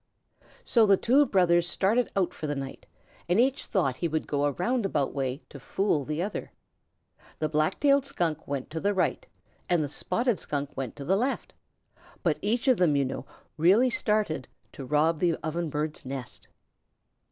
So the two brothers started out for the night and each thought he would go a roundabout way to fool the other. The Black tailed Skunk went to the right, and the Spotted Skunk went to the left, but each of them, you know, really started to rob the Ovenbird's nest.